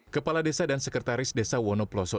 kepala desa dan sekretaris desa wono ploso